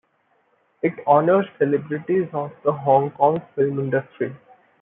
It honours celebrities of the Hong Kong film industry.